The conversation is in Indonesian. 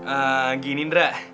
ah gini andra